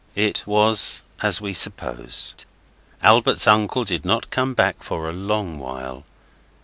It was as we suppose. Albert's uncle did not come back for a long while.